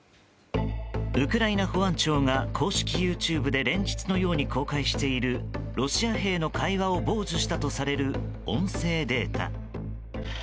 ウクライナ保安庁が公式ＹｏｕＴｕｂｅで連日のように公開しているロシア兵の会話を傍受したとされる音声データ。